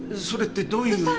それってどういう。